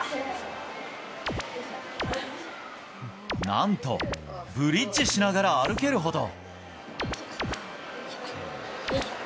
なんと、ブリッジしながら歩けるほど。